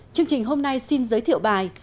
chương trình hôm nay xin giới thiệu bài